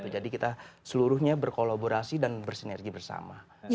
jadi kita seluruhnya berkolaborasi dan bersinergi bersama